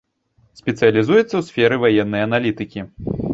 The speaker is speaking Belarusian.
Спецыялізуецца ў сферы ваеннай аналітыкі.